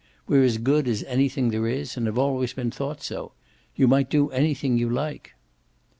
We're as good as anything there is and have always been thought so. You might do anything you like."